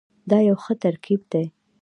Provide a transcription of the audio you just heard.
دا یو ښه ترکیب دی.